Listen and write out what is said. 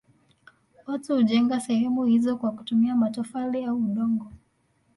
Watu hujenga sehemu hizo kwa kutumia matofali au udongo.